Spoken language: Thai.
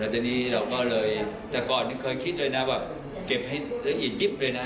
ที่ก่อนคิดเลยถึงเก็บให้รีดจิ๊บเลยนะ